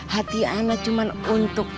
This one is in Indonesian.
hati anak cuma untuk